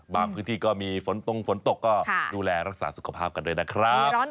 พื้นที่ก็มีฝนตรงฝนตกก็ดูแลรักษาสุขภาพกันด้วยนะครับ